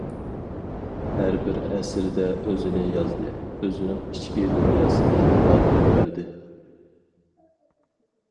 ھەربىر ئەسىرىدە ئۆزىنى يازدى، ئۆزىنىڭ ئىچكى دۇنياسىنى ئىپادىلەپ بەردى.